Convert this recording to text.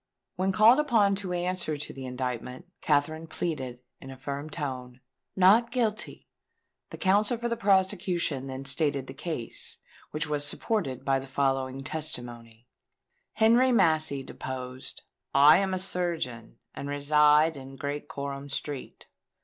When called upon to answer to the indictment, Katherine pleaded, in a firm tone, "Not Guilty." The counsel for the prosecution then stated the case, which was supported by the following testimony:— Henry Massey deposed: "I am a surgeon, and reside in Great Coram Street.